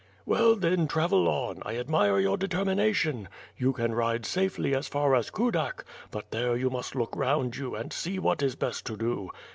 "Well, then, travel on, I admire your determination. You can ride safely as far as Kudak, but there you must look round you, and see what is best to do.